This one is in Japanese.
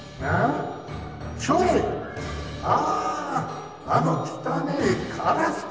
ああの汚えカラスか。